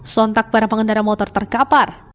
sontak para pengendara motor terkapar